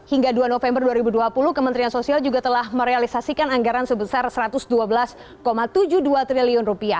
hingga dua november dua ribu dua puluh kementerian sosial juga telah merealisasikan anggaran sebesar rp satu ratus dua belas tujuh puluh dua triliun